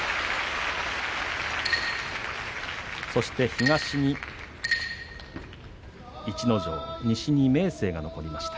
東に逸ノ城西に明生が残りました。